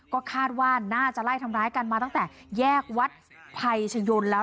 ก็คาดว่าน่าจะไล่ทำร้ายกันมาตั้งแต่แยกวัดภัยชยนแล้ว